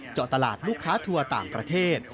เจาะตลาดลูกค้าทัวร์ต่างประเทศ